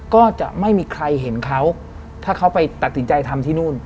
ก็จะไม่มีใครเห็นเขาถ้าเขาไปตัดสินใจทำที่นู่น